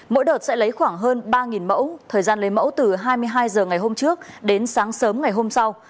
mỗi đợt sẽ lấy khoảng hơn ba mẫu thời gian lấy mẫu từ hai mươi hai h ngày hôm trước đến sáng sớm ngày hôm sau